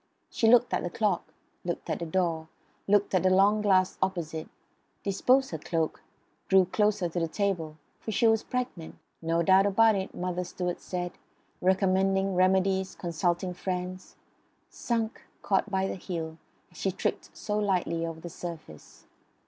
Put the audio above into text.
She looked at the clock; looked at the door; looked at the long glass opposite; disposed her cloak; drew closer to the table, for she was pregnant no doubt about it, Mother Stuart said, recommending remedies, consulting friends; sunk, caught by the heel, as she tripped so lightly over the surface.